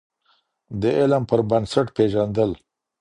د علم پر بنسټ پیژندل.